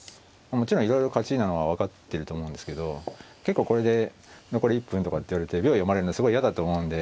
もちろんいろいろ勝ちなのは分かってると思うんですけど結構これで残り１分とかって言われて秒読まれるのすごい嫌だと思うんで。